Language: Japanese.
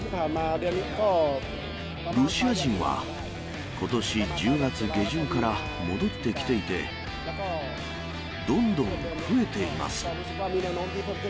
ロシア人はことし１０月下旬から戻ってきていて、どんどん増えています。